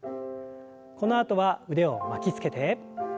このあとは腕を巻きつけて。